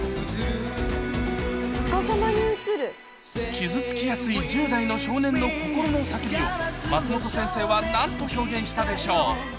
傷つきやすい１０代の少年の心の叫びを松本先生は何と表現したでしょう？